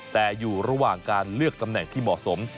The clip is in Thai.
แต่อยู่ระหว่างการเลือกตำแหน่งที่เหมาะสม